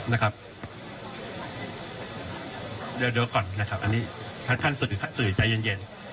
นะครับเดี๋ยวเดี๋ยวก่อนนะครับอันนี้ท่านท่านสื่อท่านสื่อใจเย็นเย็น